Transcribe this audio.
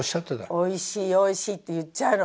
おいしいおいしいって言っちゃうの。